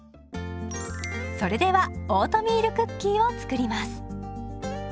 それではオートミールクッキーを作ります。